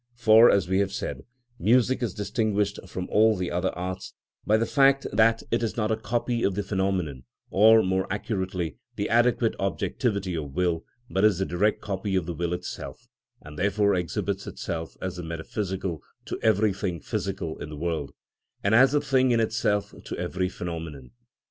For, as we have said, music is distinguished from all the other arts by the fact that it is not a copy of the phenomenon, or, more accurately, the adequate objectivity of will, but is the direct copy of the will itself, and therefore exhibits itself as the metaphysical to everything physical in the world, and as the thing in itself to every phenomenon.